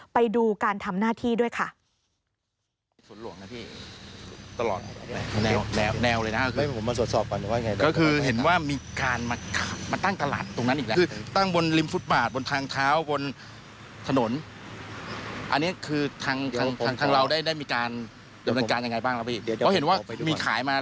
ไปดูการทำหน้าที่ด้วยค่ะ